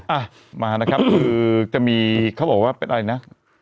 อ่ะมานะครับคือจะมีเขาบอกว่าเป็นอะไรนะ